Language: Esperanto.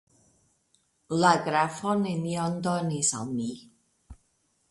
La grafo nenion donis al mi.